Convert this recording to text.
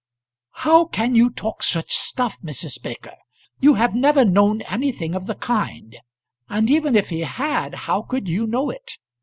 "How can you talk such stuff, Mrs. Baker? You have never known anything of the kind and even if he had, how could you know it?